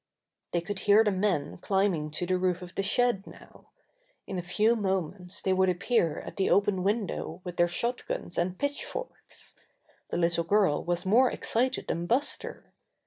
They could hear the men climbing to the roof of the shed now. In a few moments they would appear at the open window with their shot guns and pitchforks. The little girl was more excited than Buster.